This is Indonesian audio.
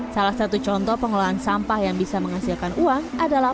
salah satu contoh pengelolaan sampah yang bisa menghasilkan uang adalah